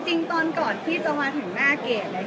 จริงตอนก่อนที่จะมาถึงหน้าเกด